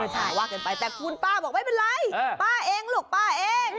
แต่คุณป้าบอกไม่เป็นไรป้าเองลูกป้าเอง